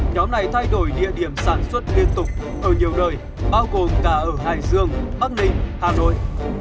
nhóm này thay đổi địa điểm sản xuất liên tục ở nhiều nơi bao gồm cả ở hải dương bắc ninh hà nội